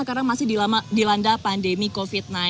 karena masih dilanda pandemi covid sembilan belas